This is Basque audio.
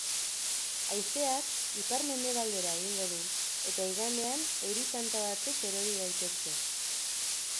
Haizeak ipar-mendebaldera egingo du eta igandean euri tanta batzuk erori daitezke.